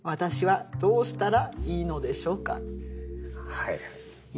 はい。